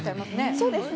そうですね。